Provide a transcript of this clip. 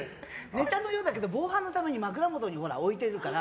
ネタのようだけど防犯のために枕元に置いてあるから。